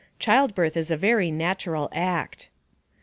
Childbirth is a very natural act.